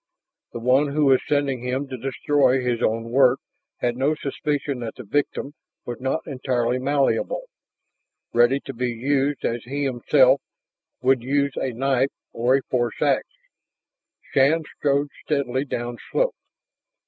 The one who was sending him to destroy his own work had no suspicion that the victim was not entirely malleable, ready to be used as he himself would use a knife or a force ax. Shann strode steadily downslope.